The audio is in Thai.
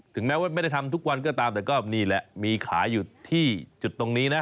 แม้ว่าไม่ได้ทำทุกวันก็ตามแต่ก็นี่แหละมีขายอยู่ที่จุดตรงนี้นะ